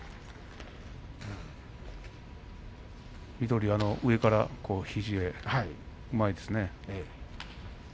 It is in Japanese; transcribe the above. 水戸龍、上から肘、うまいですね。